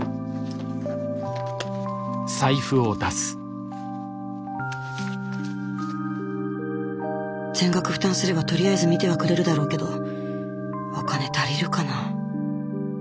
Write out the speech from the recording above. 心の声全額負担すればとりあえず診てはくれるだろうけどお金足りるかな？